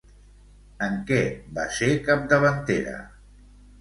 En què va ser capdavantera?